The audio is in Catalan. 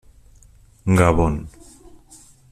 Gabon.